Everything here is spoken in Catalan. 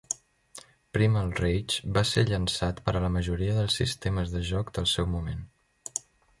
"Primal Rage" va ser llançat per a la majoria dels sistemes de joc del seu moment.